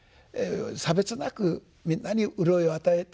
差別なくみんなに潤いを与えていきますよと。